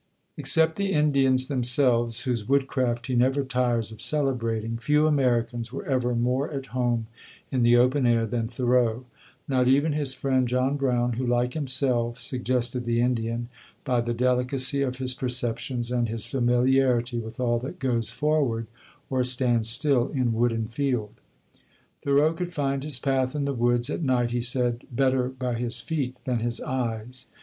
Except the Indians themselves, whose wood craft he never tires of celebrating, few Americans were ever more at home in the open air than Thoreau; not even his friend John Brown, who, like himself, suggested the Indian by the delicacy of his perceptions and his familiarity with all that goes forward, or stands still, in wood and field. Thoreau could find his path in the woods at night, he said, better by his feet than his eyes.